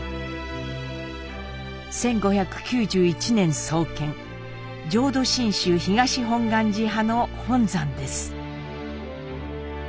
１５９１年創建浄土真宗東本願寺派の本山です。